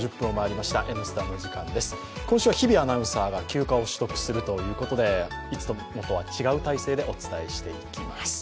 今週は日比アナウンサーが休暇を取得するということでいつもとは違う体制でお伝えしていきます。